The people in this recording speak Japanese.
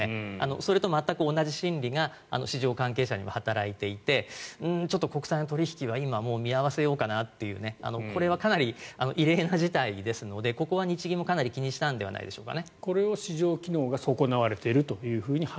それと全く同じ心理が市場関係者にも働いていてちょっと国債の取引は見合わせようかなとこれはかなり異例な事態ですのでここは日銀もかなり気にしたんじゃないですかね。